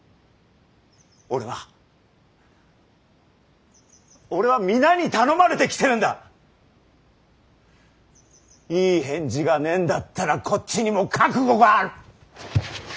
俺は俺は皆に頼まれて来てるんだ。いい返事がねえんだったらこっちにも覚悟がある。